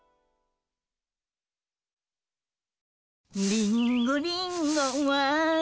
「リンゴリンゴは」